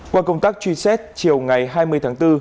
qua công tác truy xét chiều ngày hai mươi tháng bốn